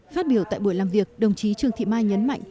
phát biểu tại buổi làm việc đồng chí trương thị mai nhấn mạnh